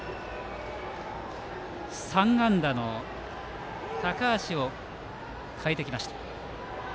３安打の高橋を代えてきました。